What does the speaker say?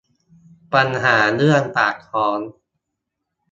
ปัญหาเรื่องปากท้อง